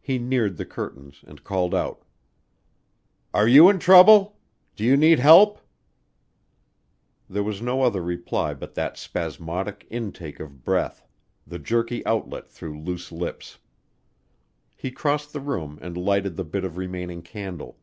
He neared the curtains and called out, "Are you in trouble? Do you need help?" There was no other reply but that spasmodic intake of breath, the jerky outlet through loose lips. He crossed the room and lighted the bit of remaining candle.